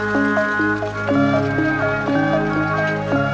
tidak ada apa apa